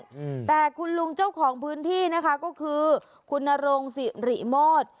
อืมแต่คุณลุงเจ้าของพื้นที่นะคะก็คือคุณนรงสิริโมท